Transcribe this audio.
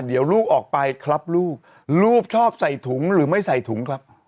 เดี๋ยวลูกออกไปครับลูกลูกชอบใส่ถุงหรือไม่ใส่ถุงครับ